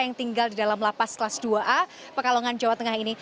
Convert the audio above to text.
yang tinggal di dalam lapas kelas dua a pekalongan jawa tengah ini